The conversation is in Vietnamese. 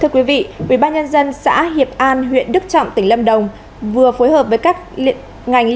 thưa quý vị ubnd xã hiệp an huyện đức trọng tỉnh lâm đồng vừa phối hợp với các ngành